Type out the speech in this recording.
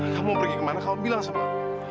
kamu pergi kemana kamu bilang sama aku